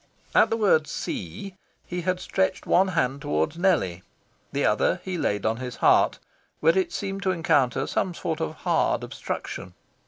At the word "See" he had stretched one hand towards Nellie; the other he had laid on his heart, where it seemed to encounter some sort of hard obstruction.